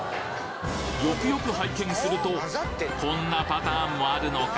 よくよく拝見するとこんなパターンもあるのか！